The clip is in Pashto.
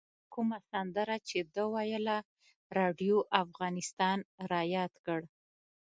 کومه سندره چې ده ویله راډیو افغانستان رایاد کړ.